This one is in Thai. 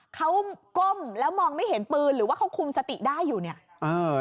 เขาก้มแล้วมองไม่เห็นปืนหรือว่าเขาคุมสติได้อยู่เนี่ยเออ